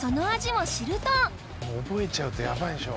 もう覚えちゃうとやばいでしょ。